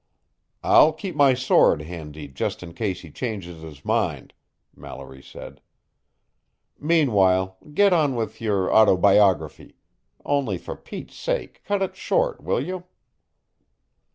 "I'll keep my sword handy, just in case he changes his mind," Mallory said. "Meanwhile, get on with your autobiography only for Pete's sake, cut it short, will you?"